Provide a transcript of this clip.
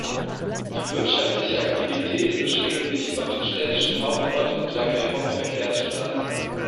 Die wirtschaftliche Aktivität beschränkt sich auf den städtischen Hauptort entlang der Hauptverkehrsstraßen.